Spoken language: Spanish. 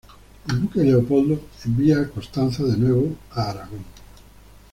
El duque Leopoldo envió a Constanza de nuevo a Aragón.